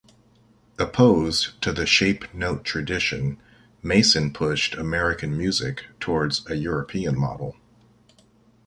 Opposed to the shape-note tradition, Mason pushed American music towards a European model.